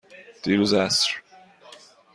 دیروز عصر.